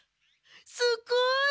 すっごい！